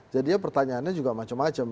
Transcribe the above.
jadinya pertanyaannya juga macam macam